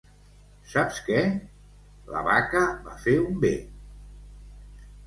—Saps què? —La vaca va fer un be.